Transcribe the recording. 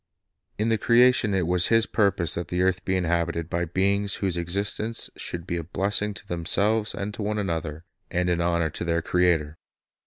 "" In the creation it was His purpose that the earth be inhabited by beings whose existence should be a blessing to themselves and to one another, and an honor to their Creator.